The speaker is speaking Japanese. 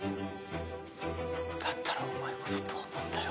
だったらお前こそどうなんだよ。